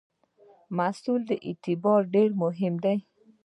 د محصول اعتبار ډېر مهم دی.